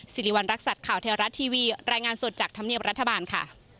สิริวัณรักษัตริย์ข่าวเทวรัฐทีวีรายงานสดจากธรรมเนียบรัฐบาลค่ะ